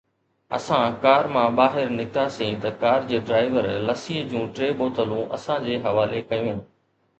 اسان ڪار مان ٻاهر نڪتاسين ته ڪار جي ڊرائيور لسيءَ جون ٽي بوتلون اسان جي حوالي ڪيون.